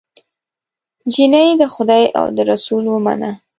جینۍ د خدای او د رسول ومنه